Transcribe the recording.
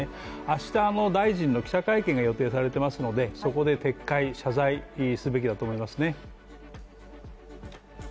明日、大臣の記者会見が予定されていますのでそこで撤回、謝罪すべきだと思いますね。